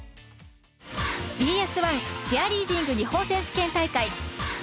ＢＳ１「チアリーディング日本選手権大会」。